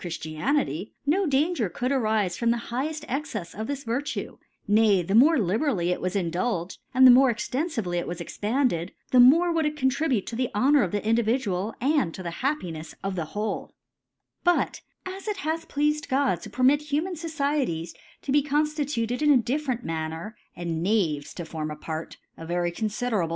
Chiftmity^ no Danger could «rifc from the higheft Exccfs of this Vir tue; nay the mote liberally it was indulged^ and the ipoi^ extenfively it was expanded, the more* would it contribute to the Hpr noiir 'of the Indtvjidu^], aiid to^ the Happi* «d3 of the wbde» But as it bath plea&d God to permit kuman SocieCj[e$ to be cppftitiited in a dif lerent Manner, and Knaves to form a Part^ (a. very confidecable